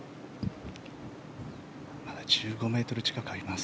まだ１５ｍ近くあります。